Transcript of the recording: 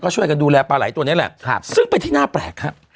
ช่วยกันดูแลปลาไหลตัวนี้แหละซึ่งเป็นที่น่าแปลกฮะ